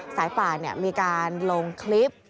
สายป่านมีการลงคลิป